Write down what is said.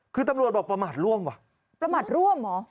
คือตำรวจบอกประมาทร่วมว่ะประมาทร่วมเหรอ